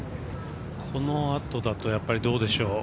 このあとだとやっぱり、どうでしょう